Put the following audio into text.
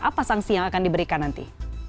apa sanksi yang akan diberikan nanti